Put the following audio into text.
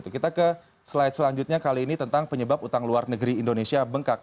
kita ke slide selanjutnya kali ini tentang penyebab utang luar negeri indonesia bengkak